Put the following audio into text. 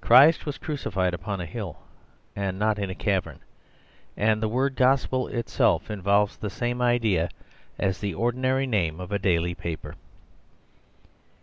Christ was crucified upon a hill, and not in a cavern, and the word Gospel itself involves the same idea as the ordinary name of a daily paper.